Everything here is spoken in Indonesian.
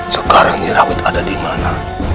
sekarang nyi rawit ada dimana